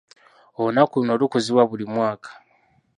Olunaku luno lukuzibwa buli mwaka.